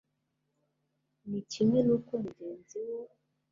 ni kimwe n uko umugenzi wo